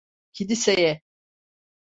Kiliseye…